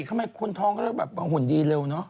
ทำไมคุณท้องก็เอาหุ่นดีเร็วเนอะ